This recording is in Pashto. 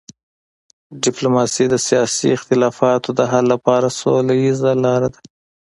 ډیپلوماسي د سیاسي اختلافاتو د حل لپاره سوله ییزه لار ده.